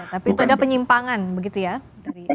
tapi itu ada penyimpangan begitu ya